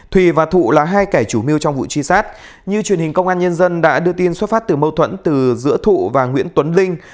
thùy và thụ là hai kẻ chủ mưu trong vụ truy sát như truyền hình công an nhân dân đã đưa tin xuất phát từ mâu thuẫn từ giữa thụ và nguyễn tuấn linh